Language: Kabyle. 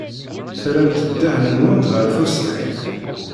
Terramt ddehn-nwent ɣer tusnakt.